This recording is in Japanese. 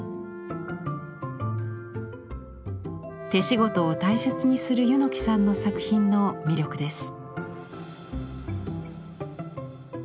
手仕事を大切にする柚木さんの作品の魅力です。